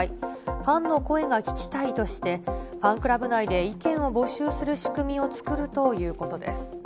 ファンの声が聞きたいとして、ファンクラブ内で意見を募集する仕組みを作るということです。